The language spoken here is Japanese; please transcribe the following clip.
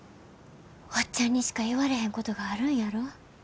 おっちゃんにしか言われへんことがあるんやろ？